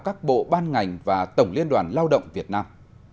các bộ ban ngành và tổng liên đoàn lao động việt nam